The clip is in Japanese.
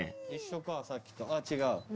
一緒かさっきとあっ違う。